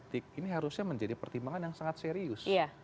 lhkpn soal etik ini harusnya menjadi pertimbangan yang sangat serius